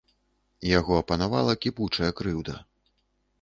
Яго апанавала кіпучая крыўда.